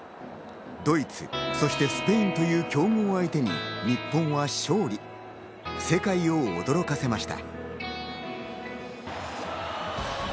ドイツ、そしてスペインという強豪相手に日本は勝利、世界を驚かせました。